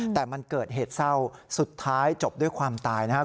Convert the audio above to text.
แต่มันเกิดเหตุเศร้าสุดท้ายจบด้วยความตายนะครับ